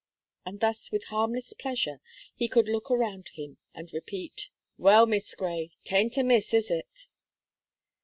And thus with harmless pleasure he could look around him and repeat: "Well, Miss Gray, 'tain't amiss, is it?"